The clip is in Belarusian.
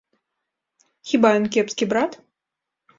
Хіба ён кепскі брат?